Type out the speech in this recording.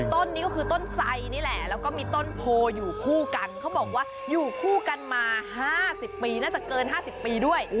ต้นนี้ก็คือต้นไซนี่แหละแล้วก็มีต้นโพอยู่คู่กันเขาบอกว่าอยู่คู่กันมา๕๐ปีน่าจะเกิน๕๐ปีด้วย